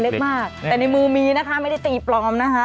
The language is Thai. เล็กมากแต่ในมือมีนะคะไม่ได้ตีปลอมนะคะ